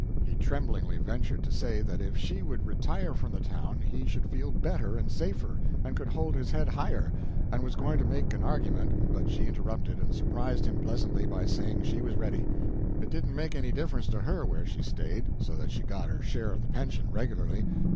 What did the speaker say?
He tremblingly ventured to say that if she would retire from the town he should feel better and safer, and could hold his head higher and was going on to make an argument, but she interrupted and surprised him pleasantly by saying she was ready; it didn't make any difference to her where she stayed, so that she got her share of the pension regularly.